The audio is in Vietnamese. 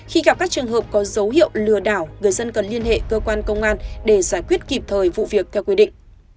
khi gặp các trường hợp có dấu hiệu lừa đảo người dân cần liên hệ cơ quan công an để giải quyết kịp thời vụ việc theo quy định